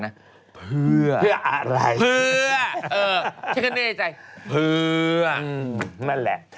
นั่นแหละ